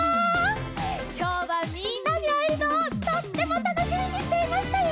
きょうはみんなにあえるのをとってもたのしみにしていましたよ！